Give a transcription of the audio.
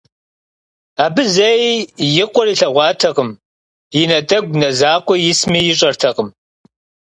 Абы зэи и къуэр илъэгъуатэкъым, и натӏэгу нэ закъуэ исми ищӏэртэкъым.